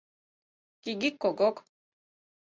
«Кигик-когок»